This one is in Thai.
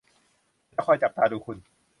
ฉันจะคอยจับตาดูคุณ